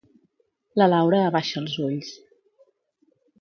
La Laura abaixa els ulls.